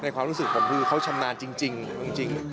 ความรู้สึกผมคือเขาชำนาญจริง